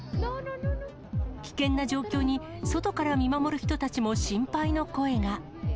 危険な状況に、外から見守る人たちも心配の声が。